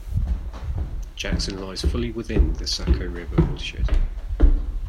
Jackson lies fully within the Saco River watershed.